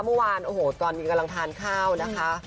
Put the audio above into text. เมื่อวานโอ้โหตอนนี้กำลังทานข้าวนะคะ